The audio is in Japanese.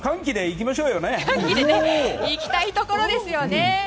行きたいところですよね。